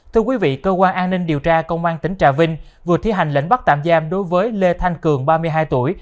thưa quý vị cơ quan an ninh điều tra công an tỉnh trà vinh vừa thi hành lệnh bắt tạm giam đối với lê thanh cường ba mươi hai tuổi